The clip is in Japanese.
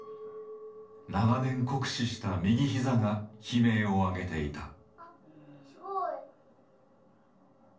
長年酷使した右ひざが悲鳴を上げていた。